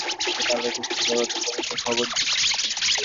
যদি পালাইবার চেষ্টা কর তো পুলিসে খবর দিব না!